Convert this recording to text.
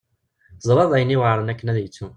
Teẓra d ayen yuɛren akken ad yettu.